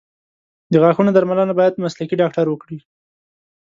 د غاښونو درملنه باید مسلکي ډاکټر وکړي.